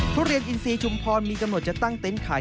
ทุเรียนอินซีชุมพรมีกำหนดจะตั้งเต็นต์ขาย